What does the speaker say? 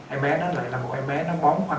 em bé nó lại là một em bé nó bóng hoang